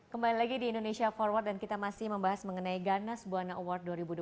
kembali lagi di indonesia forward dan kita masih membahas mengenai ganas buana award dua ribu dua puluh